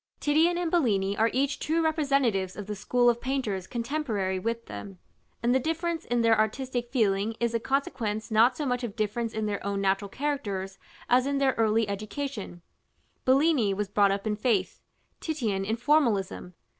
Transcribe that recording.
Titian and Bellini are each true representatives of the school of painters contemporary with them; and the difference in their artistic feeling is a consequence not so much of difference in their own natural characters as in their early education: Bellini was brought up in faith; Titian in formalism.